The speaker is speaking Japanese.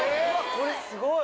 これすごい！